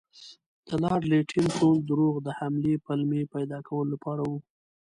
د لارډ لیټن ټول دروغ د حملې پلمې پیدا کولو لپاره وو.